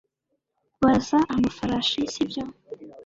barasa amafarashi sibyo